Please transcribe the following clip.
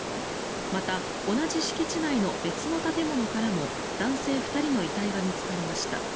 また、同じ敷地内の別の建物からも男性２人の遺体が見つかりました。